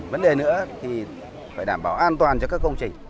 vấn đề nữa thì phải đảm bảo an toàn cho các công trình